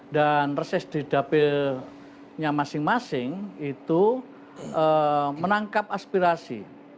dan reses di dapilnya masing masing itu menangkap aspirasi